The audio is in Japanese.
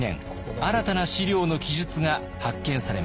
新たな史料の記述が発見されました。